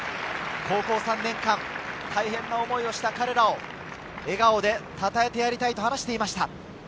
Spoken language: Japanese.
高校３年間、大変な思いをした彼らを笑顔でたたえてやりたいと話していました。